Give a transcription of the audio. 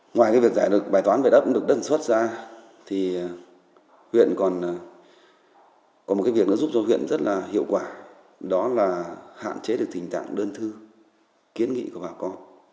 ngoài việc giải được bài toán về đất cũng được đân xuất ra thì huyện còn có một việc giúp cho huyện rất hiệu quả đó là hạn chế được tình trạng đơn thư kiến nghị của bảo vệ